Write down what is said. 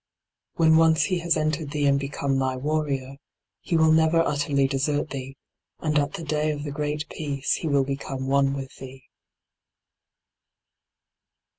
When once he has entered thee and become thy warrior, he will never utterly desert thee, and at the day of the great peace he will become one with thee.